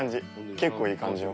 結構いい感じよ。